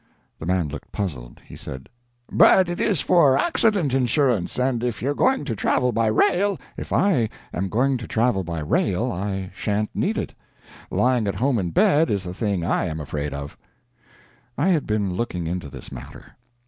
The man looked puzzled. He said: "But it is for accident insurance, and if you are going to travel by rail " "If I am going to travel by rail I sha'n't need it. Lying at home in bed is the thing I am afraid of." I had been looking into this matter.